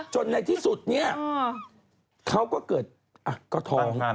จนในที่สุดเขาก็เกิดกระทอง